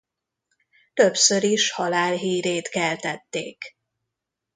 Többször is halálhírét keltették.